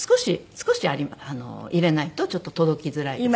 少し入れないとちょっと届きづらいです。